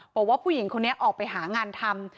บอกว่าผู้หญิงคนนี้ออกไปหางานทำ